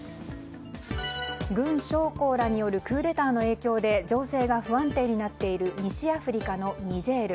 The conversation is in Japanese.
軍将校らによるクーデターの影響で情勢が不安定になっている西アフリカのニジェール。